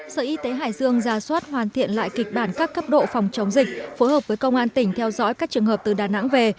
sở y tế hải dương ra soát hoàn thiện lại kịch bản các cấp độ phòng chống dịch phối hợp với công an tỉnh theo dõi các trường hợp từ đà nẵng về